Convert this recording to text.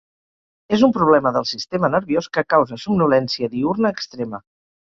És un problema del sistema nerviós que causa somnolència diürna extrema.